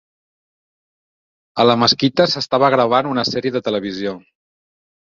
A la mesquita s'estava gravant una sèrie de televisió.